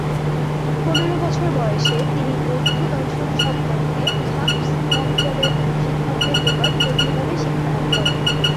পনেরো বছর বয়সে তিনি বৌদ্ধ দর্শন সম্বন্ধে খাম্স অঞ্চলের শিক্ষকদের নিকট গভীরভাবে শিক্ষালাভ করেন।